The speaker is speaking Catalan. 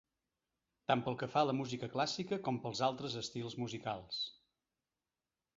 Tant pel que fa a la música clàssica com pels altres estils musicals.